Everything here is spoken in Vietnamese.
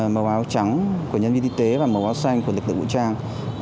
màu áo trắng của nhân viên y tế và màu áo xanh của lực lượng vũ trang